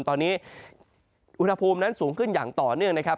ตอนนี้อุณหภูมินั้นสูงขึ้นอย่างต่อเนื่องนะครับ